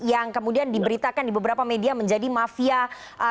yang kemudian diberitakan di beberapa media menjadi mafia negara